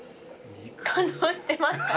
感動してますか。